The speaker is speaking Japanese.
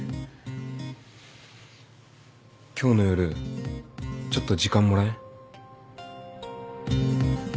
今日の夜ちょっと時間もらえん？